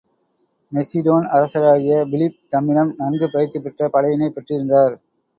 மெசிடோன் அரசராகிய பிலிப் தம்மிடம் நன்கு பயிற்சி பெற்ற படையினைப் பெற்றிருந்தார்.